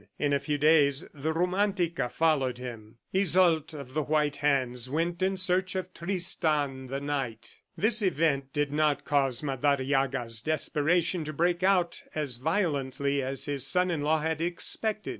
In a few days, the Romantica followed him. ... Iseult of the white hands went in search of Tristan, the knight. This event did not cause Madariaga's desperation to break out as violently as his son in law had expected.